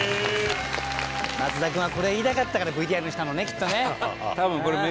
松田君はこれ言いたかったからＶＴＲにしたのねきっとね。